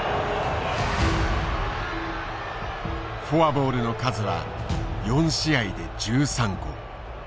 フォアボールの数は４試合で１３個。